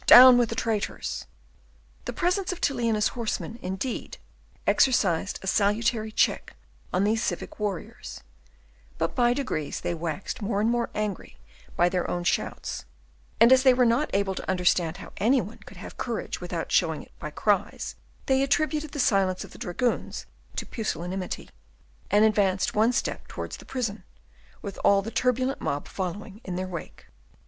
Down with the traitors!" The presence of Tilly and his horsemen, indeed, exercised a salutary check on these civic warriors; but by degrees they waxed more and more angry by their own shouts, and as they were not able to understand how any one could have courage without showing it by cries, they attributed the silence of the dragoons to pusillanimity, and advanced one step towards the prison, with all the turbulent mob following in their wake.